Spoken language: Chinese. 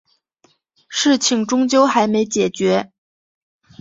事情终究还没解决